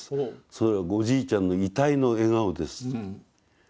おじいちゃんの遺体の笑顔です。